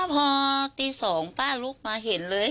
พอตี๒ป้าลุกมาเห็นเลย